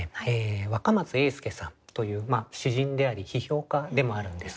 若松英輔さんという詩人であり批評家でもあるんですけれど。